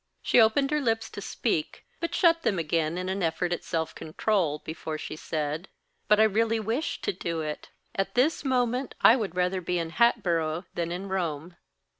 She opened her lips to speak, but shut them again in an effort at self control before she said "But I really wish to do it. At this moment I would rather be in Hatboro' than in Rome."